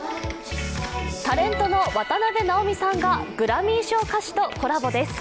タレントの渡辺直美さんがグラミー賞歌手とコラボです。